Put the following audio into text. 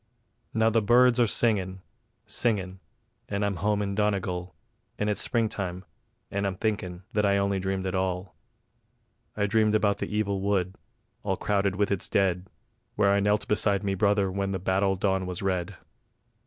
Now the birds are singin', singin', and I'm home in Donegal, And it's Springtime, and I'm thinkin' that I only dreamed it all; I dreamed about that evil wood, all crowded with its dead, Where I knelt beside me brother when the battle dawn was red.